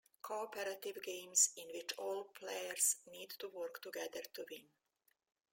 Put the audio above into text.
Cooperative games in which all players need to work together to win.